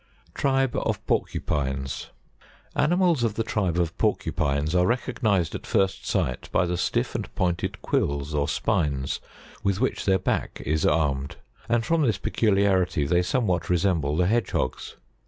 ] Tribe of Porcupines. 55. Animals of the tribe of Porcupines are recognised at first sight by the stiff and pointed quills or spines with which their back is armed, and from this peculiarity they somewhat resemble the Hedgehogs.